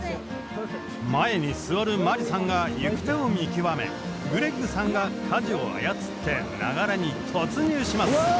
前に座る真理さんが行く手を見極めグレッグさんがかじを操って流れに突入します。